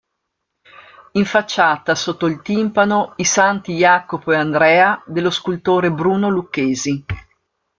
In facciata, sotto il timpano, i "Santi Jacopo e Andrea" dello scultore Bruno Lucchesi.